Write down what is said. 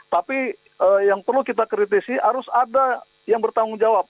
tapi yang perlu kita kritisi harus ada yang bertanggung jawab